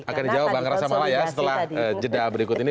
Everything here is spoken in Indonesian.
akan dijawab oleh bang rasa mala ya setelah jeda berikut ini